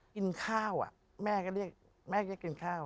กินข้าวแม่ก็เรียกแม่ก็กินข้าว